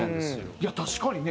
いや確かにね。